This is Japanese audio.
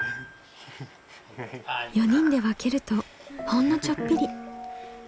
４人で分けるとほんのちょっぴり。